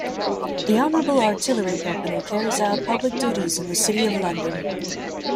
The Honourable Artillery Company carries out public duties in the City of London.